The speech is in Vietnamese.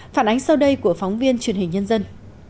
phản ánh sau đây của phóng viên truyền hình nhân dân